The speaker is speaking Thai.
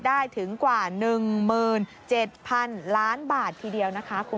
ได้ถึงกว่า๑๗๐๐๐ล้านบาททีเดียวนะคะ